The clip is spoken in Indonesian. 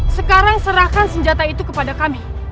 sekarang serahkan senjata itu kepada kami